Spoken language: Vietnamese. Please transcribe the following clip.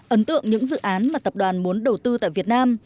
ấn tượng những dự án mà tập đoàn muốn đầu tư tại việt nam